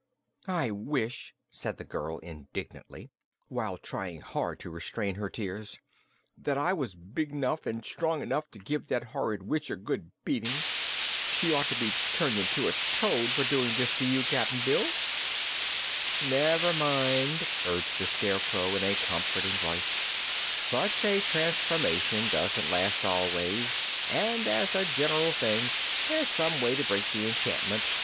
"I wish," said the girl indignantly, while trying hard to restrain her tears, "that I was big 'nough an' strong 'nough to give that horrid witch a good beating. She ought to be turned into a toad for doing this to you, Cap'n Bill!" "Never mind," urged the Scarecrow, in a comforting voice, "such a transformation doesn't last always, and as a general thing there's some way to break the enchantment.